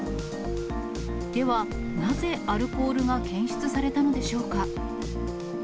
ではなぜ、アルコールが検出されたのでしょうか。